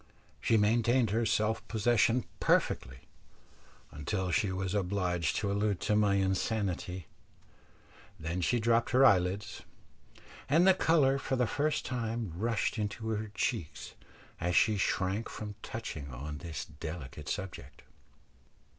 She maintained her self possession perfectly until she was obliged to allude to my insanity, then she dropped her eyelids, and the colour for the first time rushed into her cheeks as she shrank from touching on this delicate subject.